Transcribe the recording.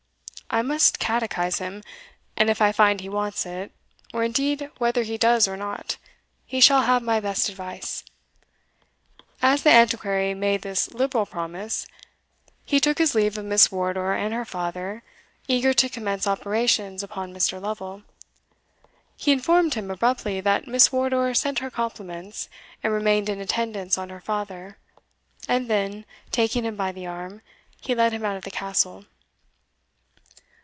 I must catechise him; and if I find he wants it or, indeed, whether he does or not he shall have my best advice." As the Antiquary made this liberal promise, he took his leave of Miss Wardour and her father, eager to commence operations upon Mr. Lovel. He informed him abruptly that Miss Wardour sent her compliments, and remained in attendance on her father, and then, taking him by the arm, he led him out of the castle.